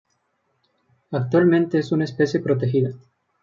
Actualmente es una especie protegida.